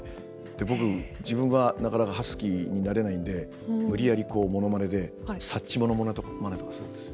僕自分はなかなかハスキーになれないんで無理やりこうものまねでサッチモのものまねとかするんです。